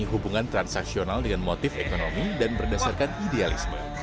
hubungan transaksional dengan motif ekonomi dan berdasarkan idealisme